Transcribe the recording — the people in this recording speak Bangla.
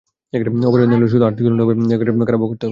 অপরাধী নারী হলে শুধু আর্থিক দণ্ড হবে, কারাভোগ করতে হবে না।